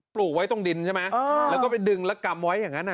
ปลูกไว้ตรงดินใช่ไหมแล้วก็ไปดึงแล้วกำไว้อย่างนั้น